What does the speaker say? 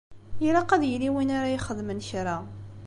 Ilaq ad yili win ara ixedmen kra.